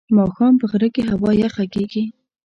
ماښام په غره کې هوا یخه کېږي.